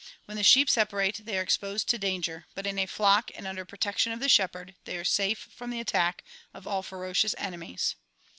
When the sheep separate they are exposed to danger, but in a flock and under pro tection of the shepherd they are safe from the attack of all ferocious enemies.